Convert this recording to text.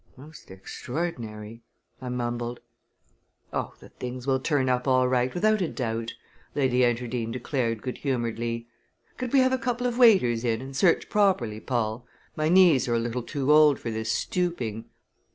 "Most extraordinary!" I mumbled. "Oh! the things will turn up all right, without a doubt," Lady Enterdean declared good humoredly. "Could we have a couple of waiters in and search properly, Paul? My knees are a little too old for this stooping."